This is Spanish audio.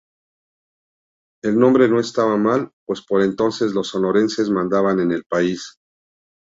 El nombre no estaba mal, pues por entonces los sonorenses mandaban en el país.